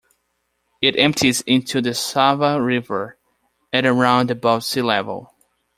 It empties into the Sava river at around above sea level.